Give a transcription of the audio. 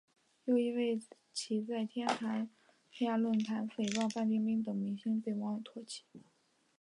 又因为其在天涯论坛诽谤范冰冰等明星被网友唾弃。